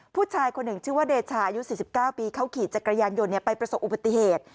ผู้ชายคนหนึ่งชื่อว่าเดชายุ๔๙ปีเขาขี่จักรยานยนต์ไปประสบอุบัติเหตุ